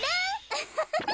ウフフフッ。